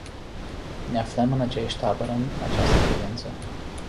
Ne aflăm în aceeași tabără în această privință.